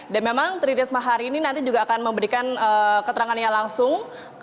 dan memang tririsma hari ini nanti juga akan memberikan keterangannya langsung